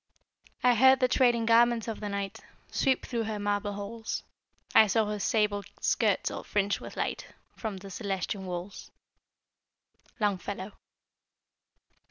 I heard the trailing garments of the night Sweep through her marble halls, I saw her sable skirts all fringed with light From the celestial walls. Longfellow.